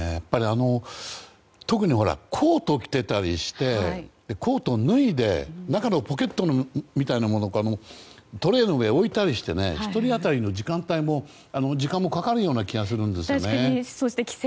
特にコートを着ていたりしてコートを脱いで中のポケットみたいなものからトレーの上に置いたりして１人当たりの時間もかかるような気がするんですね。